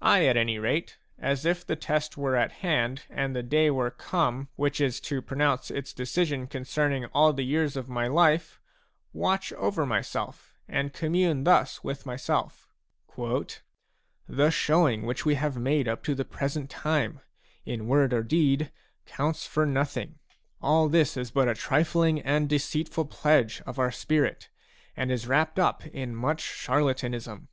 I, at any rate, as if the test were at hand and the day were come which is to pronounce its decision concerning all the years of my life, watch over myself and commune thus with myself: "The showing which we have made up to the present time, in word or deed, counts for nothing. All this is but a trifling and deceitful pledge of our spirit, and is wrapped in much charlatanism.